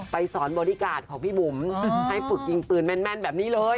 สอนบอดี้การ์ดของพี่บุ๋มให้ฝึกยิงปืนแม่นแบบนี้เลย